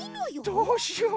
どうしよう。